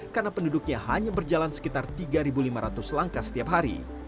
karena penduduknya hanya berjalan sekitar tiga lima ratus langkah setiap hari